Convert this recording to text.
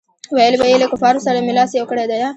ویل به یې له کفارو سره مې لاس یو کړی دی.